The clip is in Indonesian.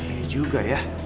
eh juga ya